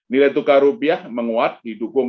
nilai tukar rupiah menguat didukung